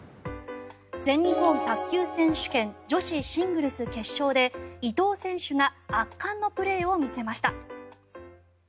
全日本卓球選手権女子シングルス決勝で伊藤選手が圧巻のプレーを見せました。